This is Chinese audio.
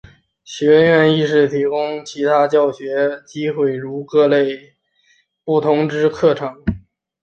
学院亦提供其他学习机会如各类不同之课程。